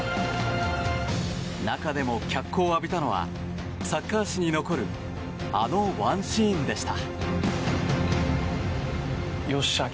中でも脚光を浴びたのはサッカー史に残るあのワンシーンでした。